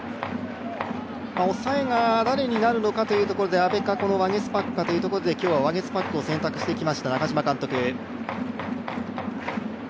押さえが誰になるのかということで、小田か、このワゲスパックかということで今日はワゲスパックを選択してきました、中嶋監督。